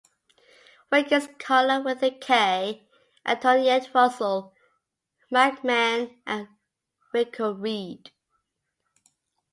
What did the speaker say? Wiggins, Karla with a K, Antoinette Russell, Mike Mann, and Rico Reed.